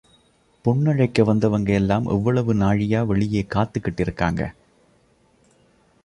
பொண்ணழைக்க வந்தவங்க எல்லாம் எவ்வளவு நாழியா வெளியே காத்துக்கிட்டு இருக்காங்க.